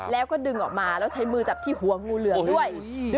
แล้วก็ดึงออกมาแล้วใช้มือจับที่หัวงูเหลืองด้วย